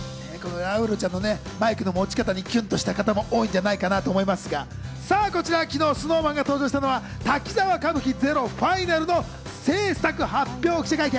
ラウールちゃんのね、マイクの持ち方にキュンとした方も多いんじゃないかなと思いますが、こちら昨日、ＳｎｏｗＭａｎが登場したのは『滝沢歌舞伎ＺＥＲＯＦＩＮＡＬ』の制作発表記者会見。